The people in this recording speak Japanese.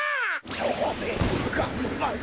蝶兵衛がんばる。